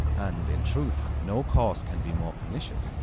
And, in truth, no course can be more pernicious.